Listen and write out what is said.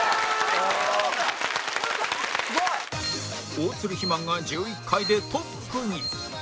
大鶴肥満が１１回でトップに